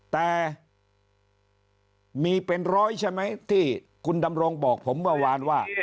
แต่มีเป็นร้อยใช่ไหมที่คุณดำรงบอกผมเมื่อวานว่า